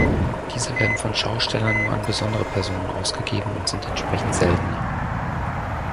Diese werden von Schaustellern nur an besondere Personen ausgegeben und sind entsprechend seltener.